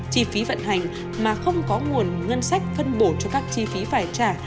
chi phí vận hành mà không có nguồn ngân sách phân bổ cho các chi phí phải trả